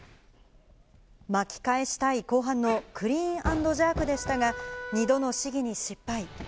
巻き返したい後半のクリーン＆ジャークでしたが、２度の試技に失敗。